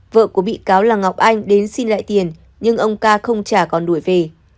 vợ của bị cáo là ngọc anh đến xin lại tiền nhưng ông ca không trả còn đuổi về